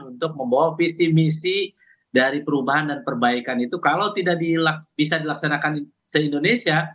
untuk membawa visi misi dari perubahan dan perbaikan itu kalau tidak bisa dilaksanakan se indonesia